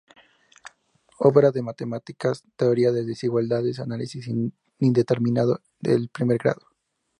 Obras de matemáticas: Teoría de desigualdades y Análisis indeterminado de primer grado.